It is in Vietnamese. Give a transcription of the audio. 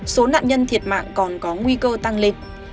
số nạn nhân thiệt mạng còn có nguy cơ tăng lên